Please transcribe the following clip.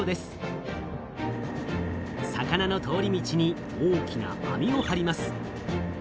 魚の通り道に大きなあみをはります。